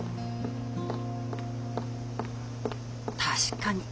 確かに。